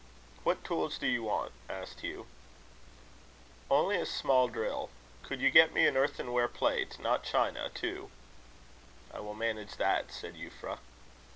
"What tools do you want?" asked Hugh. "Only a small drill. Could you get me an earthenware plate not china too?" "I will manage that," said Euphra.